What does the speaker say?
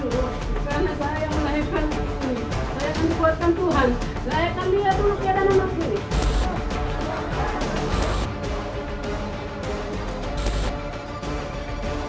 saya akan membuatkan tuhan melahirkan dia untuk keadaan yang baik ini